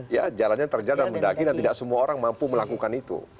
ya jalannya terjal dan mendaki dan tidak semua orang mampu melakukan itu